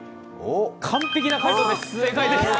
完璧な回答です。